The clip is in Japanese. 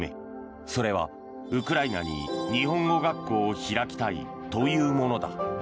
それはウクライナに日本語学校を開きたいというものだ。